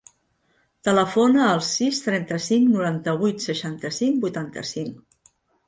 Telefona al sis, trenta-cinc, noranta-vuit, seixanta-cinc, vuitanta-cinc.